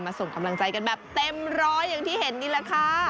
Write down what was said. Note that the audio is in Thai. ส่งกำลังใจกันแบบเต็มร้อยอย่างที่เห็นนี่แหละค่ะ